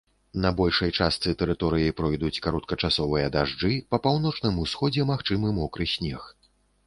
На большай частцы тэрыторыі пройдуць кароткачасовыя дажджы, па паўночным усходзе магчымы мокры снег.